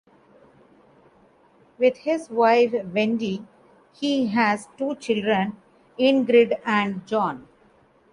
With his wife, Wendy, he has two children: Ingrid and John.